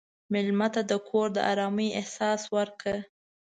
مېلمه ته د کور د ارامۍ احساس ورکړه.